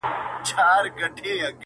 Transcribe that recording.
په خبرو کي یې دومره ږغ اوچت کړ٫